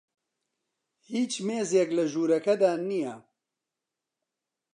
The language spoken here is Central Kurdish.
هیچ مێزێک لە ژوورەکەدا نییە.